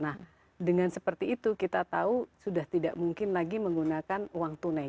nah dengan seperti itu kita tahu sudah tidak mungkin lagi menggunakan uang tunai